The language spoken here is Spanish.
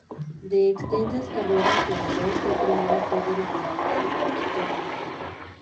De extensa carrera teatral fue primer actor de la compañía de Paquito Busto.